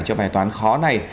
cho bài toán khó này